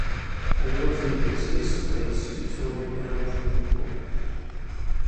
I don't think it's his place to tone it down for people.